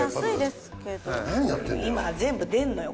今は全部出んのよ